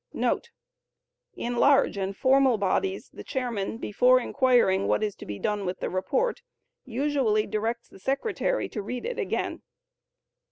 * [In large and formal bodies the chairman, before inquiring what is to be done with the report, usually directs the secretary to read it again.